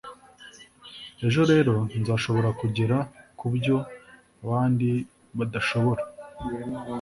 ejo rero nzashobora kugera kubyo abandi badashobora.”